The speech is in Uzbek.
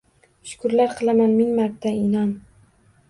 Shukurlar qilaman ming marta, inon!